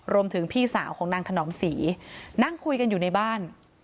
พี่สาวของนางถนอมศรีนั่งคุยกันอยู่ในบ้าน